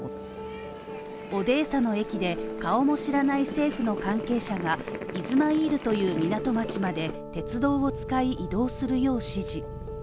オデーサの駅で顔も知らない政府の関係者がイズマイールという港町まで鉄道を使い移動するよう指示。